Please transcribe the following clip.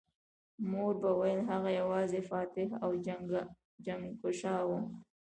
مور به ویل هغه یوازې فاتح او جهانګشا و